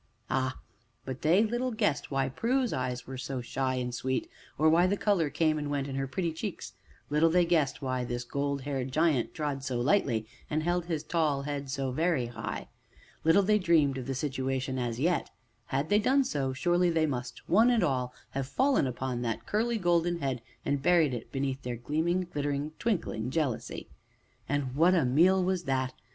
Ah! but they little guessed why Prue's eyes were so shy and sweet, or why the color came and went in her pretty cheeks; little they guessed why this golden haired giant trod so lightly, and held his tall head so very high little they dreamed of the situation as yet; had they done so, surely they must, one and all, have fallen upon that curly, golden head and buried it beneath their gleaming, glittering, twinkling jealousy. And what a meal was that!